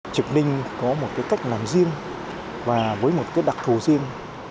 trực ninh có một cách làm riêng và với một đặc thù riêng